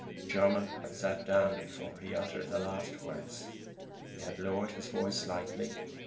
Jermyn had sat down before he uttered the last words. He had lowered his voice slightly.